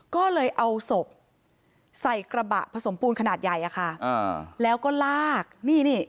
ก็เลยเอาศพใส่กระบะผสมปูนขนาดใหญ่อะค่ะอ่าแล้วก็ลากนี่นี่